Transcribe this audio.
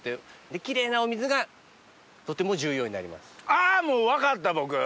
あもう分かった僕。